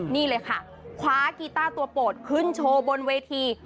นี่เลยค่ะคว้ากีต้าตัวโปรดขึ้นโชว์บนเวที